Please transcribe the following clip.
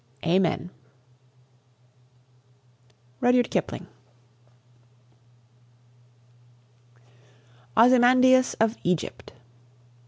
Amen. RUDYARD KIPLING. OZYMANDIAS OF EGYPT.